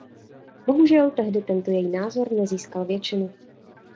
Bohužel tehdy tento její názor nezískal většinu.